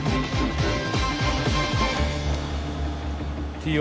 ＴＯ